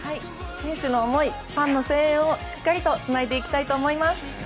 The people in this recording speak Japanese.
選手の思い、ファンの声援をしっかりとつないでいきたいと思います。